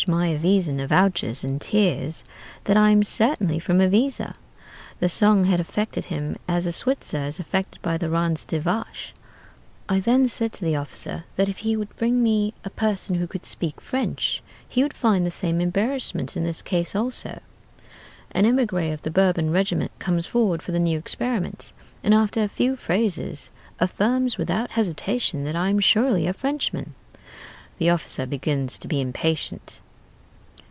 "Upon which my Ivizan avouches, in tears, that I am certainly from Iviza. The song had affected him as a Switzer is affected by the 'Ranz des Vaches.' I then said to the officer that if he would bring to me a person who could speak French, he would find the same embarrassment in this case also. An emigré of the Bourbon regiment comes forward for the new experiment, and after a few phrases affirms without hesitation that I am surely a Frenchman. The officer begins to be impatient.